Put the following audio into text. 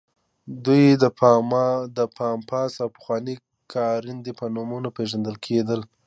دوی د پامپاس او پخواني کوراندي په نومونو پېژندل کېدل.